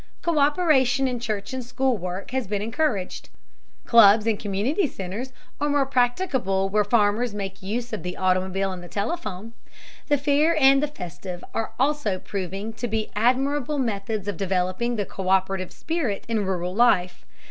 Co÷peration in church and school work has been encouraged. Clubs and community centers are more practicable where farmers make use of the automobile and the telephone. The fair and the festival are also proving to be admirable methods of developing the co÷perative spirit in rural life.